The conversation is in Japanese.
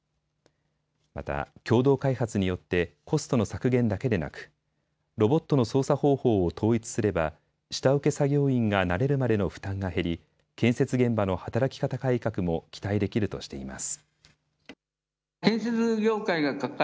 また、共同開発によってコストの削減だけでなくロボットの操作方法を統一すれば下請け作業員が慣れるまでの負担が減り、建設現場の働き方改革も期待できるとしています。